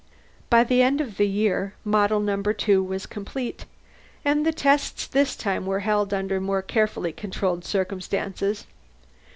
By the end of the year, Model Number Two was complete, and the tests this time were held under more carefully controlled circumstances.